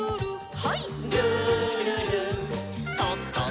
はい。